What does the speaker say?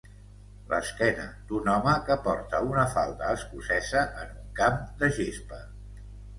L'esquena d'un home que porta una falda escocesa en un camp de gespa.